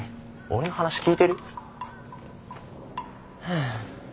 俺の話聞いてる？はあ。